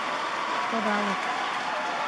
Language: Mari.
Шогалыт.